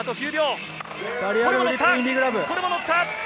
これも乗った！